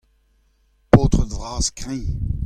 paotred vras kreñv.